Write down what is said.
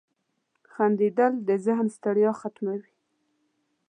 • خندېدل د ذهن ستړیا ختموي.